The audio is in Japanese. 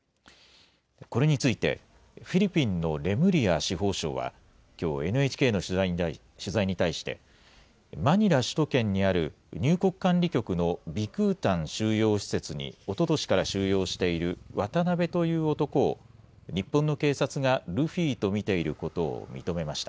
これについてフィリピンのレムリア司法相はきょうＮＨＫの取材に対して、マニラ首都圏にある入国管理局のビクータン収容施設におととしから収容しているワタナベという男を、日本の警察がルフィと見ていることを認めました。